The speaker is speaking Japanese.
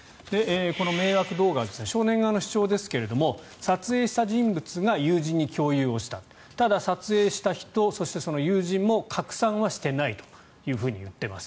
この迷惑動画は少年側の主張ですが撮影した人物が友人に共有をしたただ、撮影した人そしてその友人も拡散はしていないと言っています。